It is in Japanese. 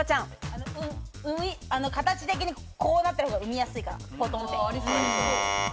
形的にこうなってる方が産みやすいから。